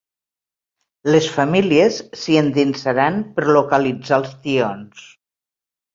Les famílies s’hi endinsaran per localitzar els tions.